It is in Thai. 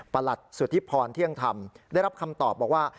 หลัดสุธิพรเที่ยงธรรมได้รับคำตอบบอกว่า